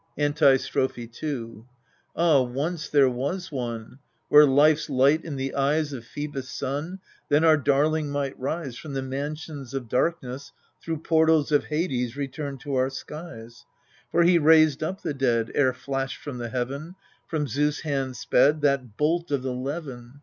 Antistrophe 2 Ah, once there was one ! Were life's light in the eyes Of Phcebus's son, Then our darling might rise From the mansions of darkness, through portals of Hades return to our skies ; For he raised up the dead, Ere flashed from the heaven, From Zeus' hand sped, That bolt of the levin.